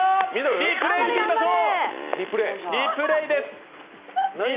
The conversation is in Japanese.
リプレー見てみましょう。